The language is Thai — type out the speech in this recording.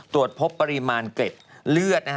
ตรวจพบปริมาณเกร็ดเลือดนะฮะ